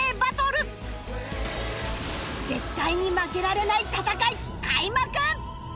絶対に負けられない戦い開幕